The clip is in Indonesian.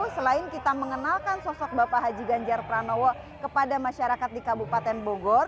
selain kita mengenalkan sosok bapak haji ganjar pranowo kepada masyarakat di kabupaten bogor